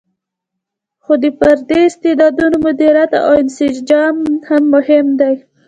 خو د فردي استعدادونو مدیریت او انسجام هم مهم دی.